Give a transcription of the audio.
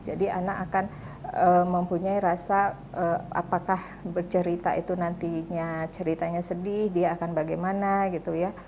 jadi anak akan mempunyai rasa apakah bercerita itu nantinya ceritanya sedih dia akan bagaimana gitu ya